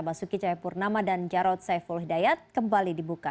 basuki cahayapurnama dan jarod saiful hidayat kembali dibuka